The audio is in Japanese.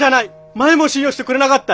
前も信用してくれなかったよ！